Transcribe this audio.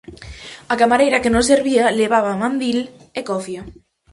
A camareira que nos servía levaba mandil e cofia.